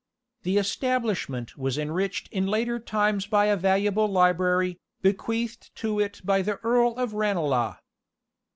The establishment was enriched in later times by a valuable library, bequeathed to it by the Earl of Ranelagh.